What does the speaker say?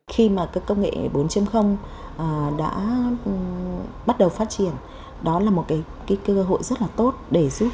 khi mà công nghệ bốn đã bắt đầu phát triển đó là một cơ hội rất tốt